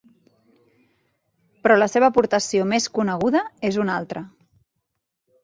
Però la seva aportació més coneguda és una altra.